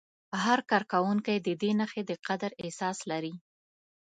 هر کارکوونکی د دې نښې د قدر احساس لري.